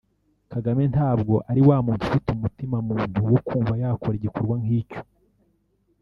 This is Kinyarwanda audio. Kagame ntabwo ari wa muntu ufite umutima muntu wo kumva yakora igikorwa nk’icyo